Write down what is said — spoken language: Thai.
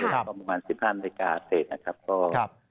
คือประมาณ๑๕นาทีเศษนะครับ